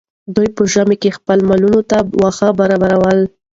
دوی په ژمي کې خپلو مالونو ته واښه برابرول.